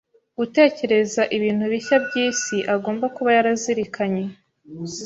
utekereza ibintu bishya byisi agomba kuba yarazirikanye